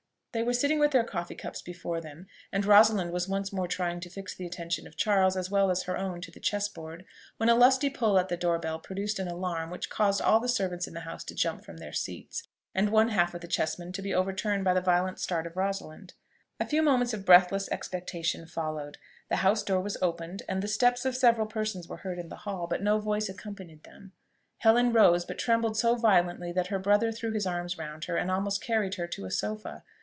They were sitting with their coffee cups before them, and Rosalind was once more trying to fix the attention of Charles, as well as her own, to the chess board, when a lusty pull at the door bell produced an alarm which caused all the servants in the house to jump from their seats, and one half of the chessmen to be overturned by the violent start of Rosalind. A few moments of breathless expectation followed. The house door was opened, and the steps of several persons were heard in the hall, but no voice accompanied them. Helen rose, but trembled so violently, that her brother threw his arms round her and almost carried her to a sofa.